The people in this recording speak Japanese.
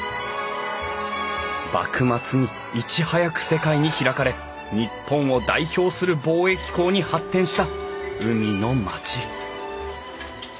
幕末にいち早く世界に開かれ日本を代表する貿易港に発展した海の町。